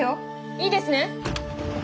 いいですね？